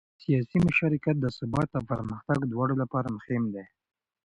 سیاسي مشارکت د ثبات او پرمختګ دواړو لپاره مهم دی